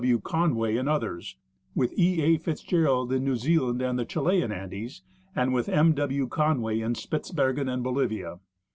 M, Conway and others ; with E. A. Fitzgerald in New Zealand and the Chilian Andes, and with W. M. Conway in Spitzbergen and Bolivia.